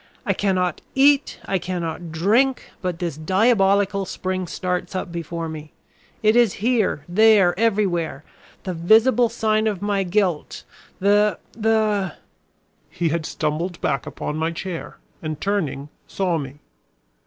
I cannot eat, I cannot drink, but this diabolical spring starts up before me. It is here, there, everywhere. The visible sign of my guilt; the the " He had stumbled back upon my chair, and turning, saw me.